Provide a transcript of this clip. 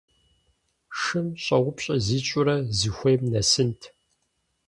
Шым щӏэупщӏэ зищӏурэ, зыхуейм нэсынт.